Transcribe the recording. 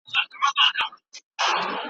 ارزښت یې یاد کړ